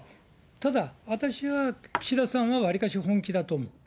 ただ、私は岸田さんはわりかし本気だと思う。